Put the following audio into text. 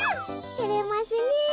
てれますねえ。